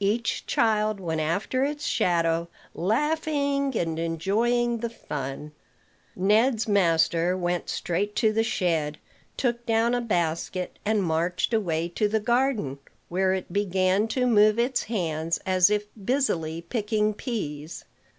Each child went after its shadow, laughing, and enjoying the fun. Ned's master went straight to the shed, took down a basket, and marched away to the garden, where it began to move its hands as if busily picking peas.